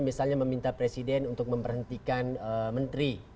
misalnya meminta presiden untuk memperhentikan menteri